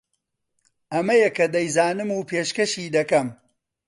ئەمەیە کە دەیزانم و پێشکەشی دەکەم